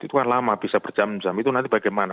itu kan lama bisa berjam jam itu nanti bagaimana